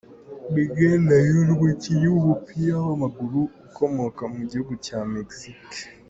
Miguel Layún, umukinnyi w’umupira w’amaguru ukomoka mu gihugu cya Mexique.